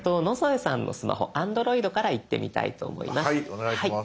お願いします。